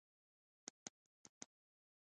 زمری زړور حيوان دی.